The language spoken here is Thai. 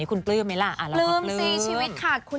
คุณลืมมั้ยละลาออกไป